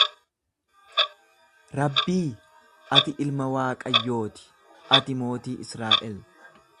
Rabbii! Ati ilma Waaqayyoo ti, ati mootii Israa'el!